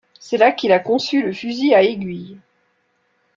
C'est là qu'il a conçu le fusil à aiguille.